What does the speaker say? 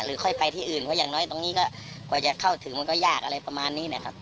ค่อยไปที่อื่นเพราะอย่างน้อยตรงนี้ก็กว่าจะเข้าถึงมันก็ยากอะไรประมาณนี้นะครับ